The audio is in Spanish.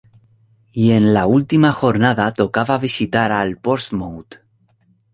Y en la última jornada tocaba visitar al Portsmouth.